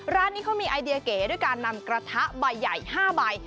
ร้านนี้เขามีไอเดียเก๋ด้วยการนำกระทะใบใหญ่๕ใบ